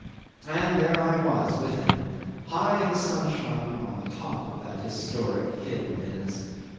'And there I was with him, high in the sunshine on the top of that historic hill of his.